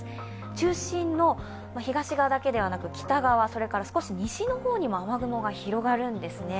中心の東側だけではなく北側、それから少し西の方にも雨雲が広がるんですね。